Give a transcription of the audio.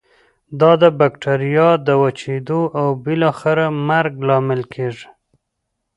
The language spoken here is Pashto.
دا د بکټریا د وچیدو او بالاخره مرګ لامل کیږي.